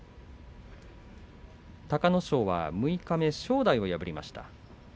隆の勝は六日目、正代を破りました。